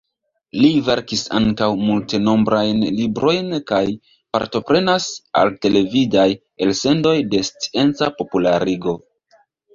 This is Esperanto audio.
Li verkis ankaŭ multenombrajn librojn kaj partoprenas al televidaj elsendoj de scienca popularigo.